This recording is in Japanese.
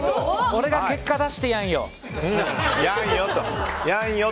俺が結果出してやんよ。